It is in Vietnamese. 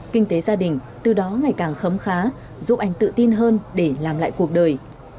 kinh tế gia đình từ đó ngày càng khấm khá giúp anh tự tin hơn để làm lại cuộc đời